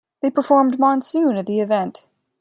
They performed "Monsoon" at the event.